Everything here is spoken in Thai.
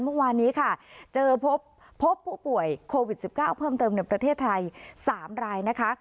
เมื่อวานนี้ค่ะเจอพบผู้ป่วยโควิด๑๙เพิ่มเติมในประเทศไทย๓รายนะคะ